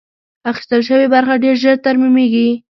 اخیستل شوې برخه ډېر ژر ترمیمېږي.